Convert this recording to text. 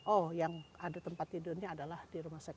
oh yang ada tempat tidurnya adalah di rumah sakit